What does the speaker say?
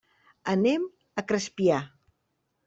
Anem a Crespià.